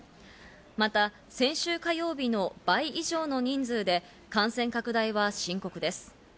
また先週火曜日の倍以上の人数で感染拡大が深刻です。